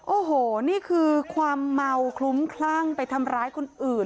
โอ้โหนี่คือความเมาคลุ้มคลั่งไปทำร้ายคนอื่น